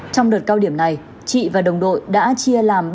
trong đợt cao điểm này chị và đồng đội đã chia sẻ với bà nội